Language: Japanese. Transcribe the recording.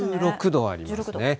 １６度ありますね。